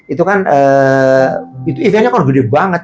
itu kan eventnya kok gede banget